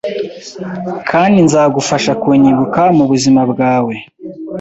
Kandi nzagufasha kunyibuka mubuzima bwawe